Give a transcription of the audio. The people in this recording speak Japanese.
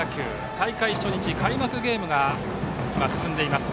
大会初日、開幕ゲームが進んでいます。